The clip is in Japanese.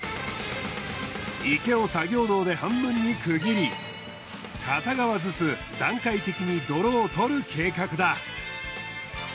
池を作業道で半分に区切り片側ずつ段階的に泥を取る計画だ。